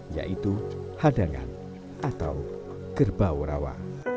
yaitu hadangan atau kerbau rawa